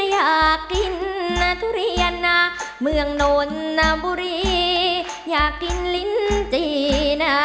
อยากกินธุเรียนจนยาวงบุรีอยากกินลิ้นจีน